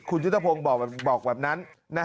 คุณยุตโภงบอกแบบนั้น